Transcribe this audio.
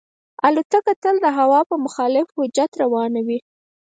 الوتکه تل د هوا په مخالف جهت روانه وي.